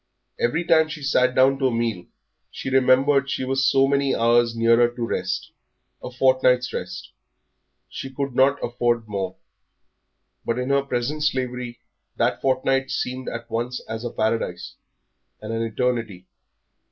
Every time she sat down to a meal she remembered she was so many hours nearer to rest a fortnight's rest she could not afford more; but in her present slavery that fortnight seemed at once as a paradise and an eternity.